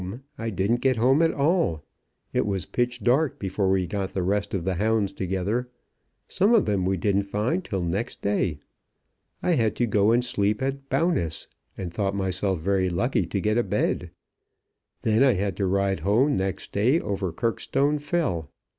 I didn't get home at all. It was pitch dark before we got the rest of the hounds together. Some of them we didn't find till next day. I had to go and sleep at Bowness, and thought myself very lucky to get a bed. Then I had to ride home next day over Kirkstone Fell.